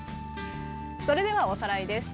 それではおさらいです。